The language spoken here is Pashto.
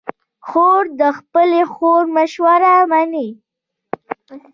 خور د خپلې خور مشوره منې.